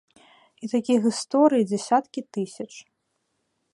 І такіх гісторый дзясяткі тысяч.